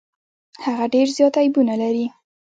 هغه ډیر زيات عيبونه لري.